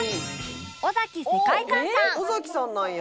「尾崎さんなんや」